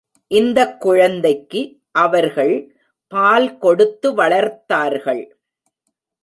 இந்தக் குழந்தைக்கு அவர்கள் பால் கொடுத்து வளர்த்தார்கள்.